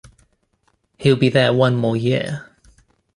He'll be there one more year.